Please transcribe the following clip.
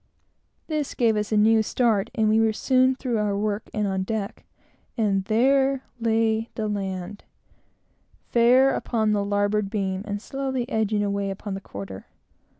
This gave us a new start, and we were soon through our work, and on deck; and there lay the land, fair upon the larboard beam, and slowly edging away upon the quarter.